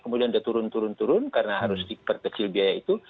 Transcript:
kemudian sudah turun turun karena harus diperkecil biaya itu